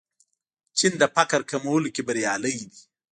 چین د فقر کمولو کې بریالی دی.